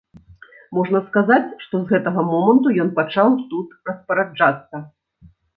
Можна сказаць, што з гэтага моманту ён пачаў тут распараджацца.